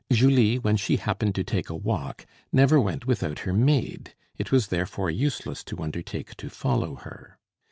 Julie, when she happened to take a walk, never went without her maid; it was therefore useless to undertake to follow her.